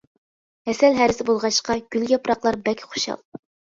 ھەسەل ھەرىسى بولغاچقا، گۈل ياپراقلار بەك خۇشال.